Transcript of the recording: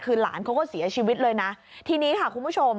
คือหลานเขาก็เสียชีวิตเลยนะทีนี้ค่ะคุณผู้ชม